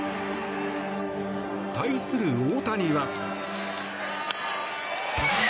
対する大谷は。